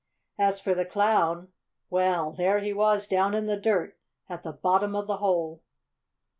As for the Clown well, there he was down in the dirt at the bottom of the hole!